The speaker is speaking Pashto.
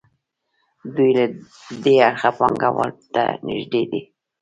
دوی له دې اړخه پانګوال ته نږدې دي.